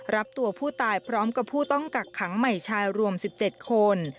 รับตัวผู้ตายพร้อมกับผู้ต้องกักขังใหม่ชายรวม๑๗คน